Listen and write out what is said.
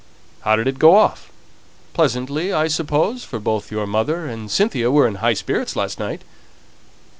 how did it go off? Pleasantly, I suppose, for both your mother and Cynthia were in high spirits last night."